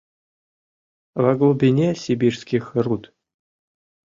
Во глубине сибирских руд